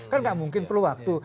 kan nggak mungkin perlu waktu